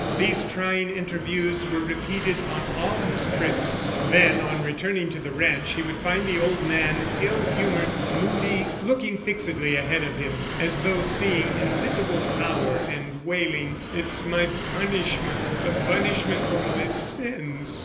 These trying interviews were repeated on all his trips. Then, on returning to the ranch, he would find the old man ill humored, moody, looking fixedly ahead of him as though seeing invisible power and wailing, "It is my punishment the punishment for my sins."